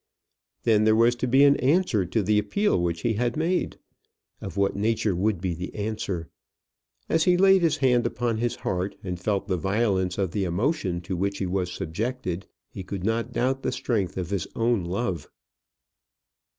Then there was to be an answer to the appeal which he had made. Of what nature would be the answer? As he laid his hand upon his heart, and felt the violence of the emotion to which he was subjected, he could not doubt the strength of his own love.